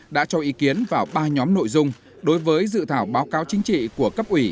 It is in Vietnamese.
đã cho ý kiến vào ba nhóm nội dung đối với dự thảo báo cáo chính trị của cấp ủy